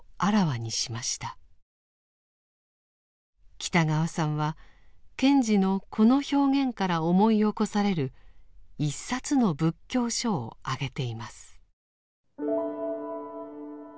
北川さんは賢治のこの表現から思い起こされる一冊の仏教書を挙げています。